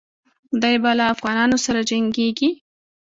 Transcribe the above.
دی به له افغانانو سره جنګیږي.